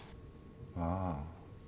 ああ。